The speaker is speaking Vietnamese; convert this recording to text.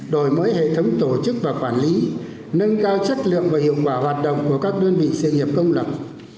đổi mới hệ thống tổ chức và quản lý nâng cao chất lượng và hiệu quả hoạt động của các đơn vị sự nghiệp công lập